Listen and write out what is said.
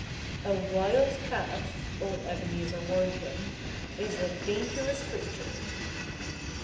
"A wild cat," old Ebenezer warned him, "is a dangerous creature."